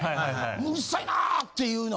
もううるさいなっていうの。